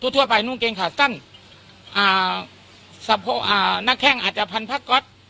ทั่วไปนุ้งเกงขาดสั้นอ่าสภาพอ่านน่าแข้งอาจจะพันธุ์พระก็อต